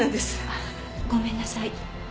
あっごめんなさい。